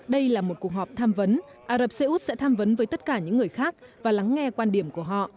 đây là một cuộc họp tham vấn ả rập xê út sẽ tham vấn với tất cả những người khác và lắng nghe quan điểm của họ